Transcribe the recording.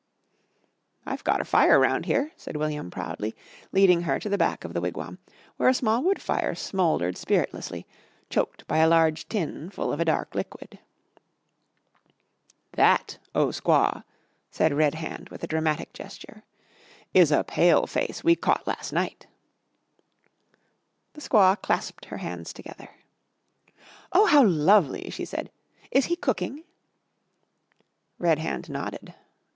"I've gotter fire round here," said William proudly, leading her to the back of the wigwam, where a small wood fire smouldered spiritlessly, choked by a large tin full of a dark liquid. "That, O Squaw," said Red Hand with a dramatic gesture, "is a Pale face we caught las' night!" The squaw clasped her hands together. "Oh, how lovely!" she said. "Is he cooking?" Red Hand nodded.